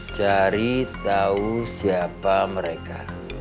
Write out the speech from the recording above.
cari tahu siapa mereka